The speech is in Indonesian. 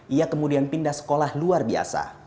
ia kemudian pindah sekolah luar biasa